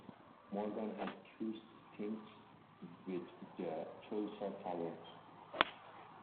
Morgan had two stints with the Tulsa Talons.